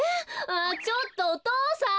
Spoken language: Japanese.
ああちょっとお父さん！